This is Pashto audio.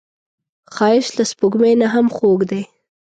ښایست له سپوږمۍ نه هم خوږ دی